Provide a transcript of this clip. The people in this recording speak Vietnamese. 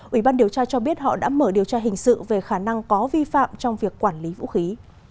ủy ban điều tra cho biết họ đã mở điều tra hình sự về khả năng có vi phạm trong việc quản lý vũ khí